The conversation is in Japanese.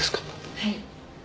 はい。